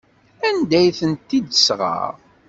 Anda ay tent-id-tesɣa?